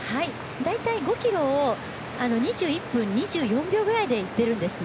大体５ｋｍを２１分２４秒ぐらいでいってるんですね。